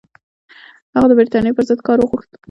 هغه د برټانیې پر ضد کار وغوښت.